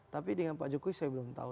tapi dengan pak jokowi saya belum tahu